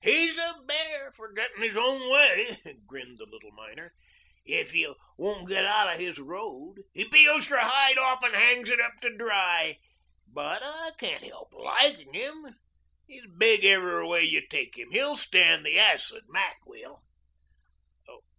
"He's a bear for getting his own way," grinned the little miner. "If you won't get out of his road he peels your hide off and hangs it up to dry. But I can't help liking him. He's big every way you take him. He'll stand the acid, Mac will."